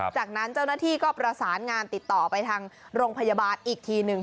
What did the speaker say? จากนั้นเจ้าหน้าที่ก็ประสานงานติดต่อไปทางโรงพยาบาลอีกทีหนึ่ง